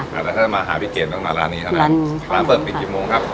ค่ะแต่ถ้าจะมาหาพี่เกดต้องมาร้านนี้ใช่ไหมร้านนี้ร้านเปิดมีกี่โมงครับ